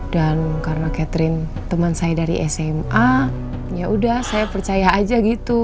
dan karena catherine temen saya dari sma yaudah saya percaya aja gitu